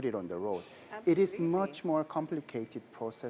ini adalah proses yang lebih rumit